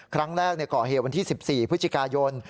ครั้งแรกก่อเหตุวันที่๑๔พฤศจิกายน